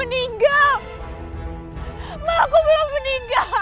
aku mbak aku masih berada di media dermasewan